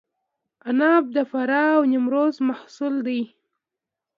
عناب د فراه او نیمروز محصول دی.